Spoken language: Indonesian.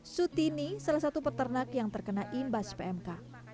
sutini salah satu peternak yang terkena imbas pmk